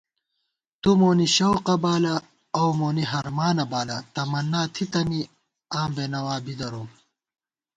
تُو مونی شوقہ بالہ اؤ مونہ ہرمانہ بالہ تمنا تہ تھِتہ می آں بېنوا بی دروم